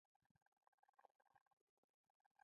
هند له افغانستان سره تاریخي اړیکې لري.